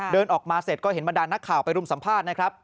เดินออกมาเสร็จก็เห็นบรรดานนักข่าวไปรุมสัมภาษณ์นะครับ